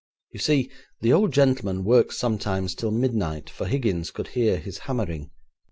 You see, the old gentleman worked sometimes till midnight, for Higgins could hear his hammering.